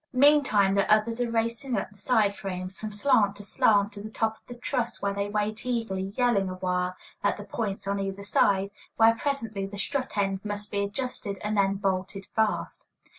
Meantime the others are racing up the side frames, from slant to slant to the top of the truss, where they wait eagerly, yelling the while, at the points on either side, where presently the strut ends must be adjusted and then bolted fast.